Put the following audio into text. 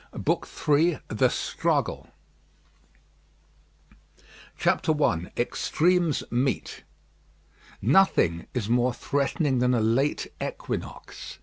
BOOK III THE STRUGGLE I EXTREMES MEET Nothing is more threatening than a late equinox.